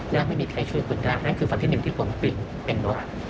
และไม่มีใครช่วยคุณได้นั่นคือฝั่งที่หนึ่งที่ผมปิดเต็มรถ